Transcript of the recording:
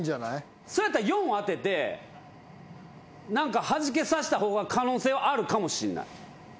それやったら４当てて何かはじけさせた方が可能性はあるかもしんない。